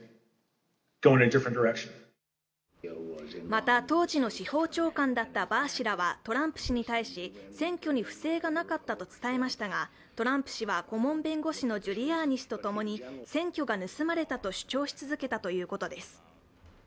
また、当時の司法長官だったバー氏らはトランプ氏に対し、選挙に不正がなかったと伝えましたがトランプ氏は顧問弁護士のジュリアーニ氏と共に選挙が盗まれたと主張し続けたということです。